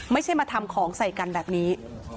ไม่ใช่มาทำของใส่กันแบบนี้